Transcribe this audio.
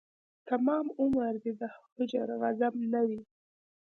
تمام عمر دې د هجر غضب نه وي